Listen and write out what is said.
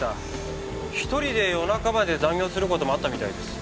一人で夜中まで残業する事もあったみたいです。